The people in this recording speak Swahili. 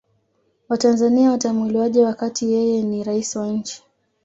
watanzania watamuelewaje wakati yeye ni raisi wa nchi